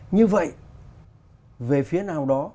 như vậy về phía nào đó